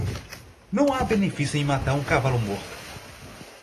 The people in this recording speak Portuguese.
Não há benefício em matar um cavalo morto.